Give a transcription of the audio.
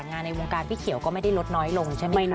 ในวงการพี่เขียวก็ไม่ได้ลดน้อยลงใช่ไหมคะ